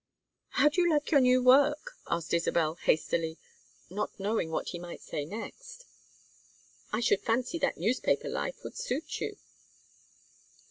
"How do you like your new work?" asked Isabel, hastily, not knowing what he might say next. "I should fancy that newspaper life would suit you."